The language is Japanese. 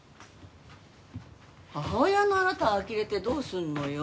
母親のあなたがあきれてどうするのよ。